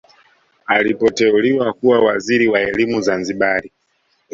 Alipoteuliwa kuwa waziri wa elimu Zanzibari